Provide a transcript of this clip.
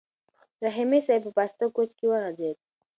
رحیمي صیب په پاسته کوچ کې وغځېد.